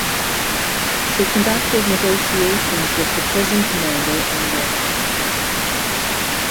She conducted negotiations with the prison commander on their behalf.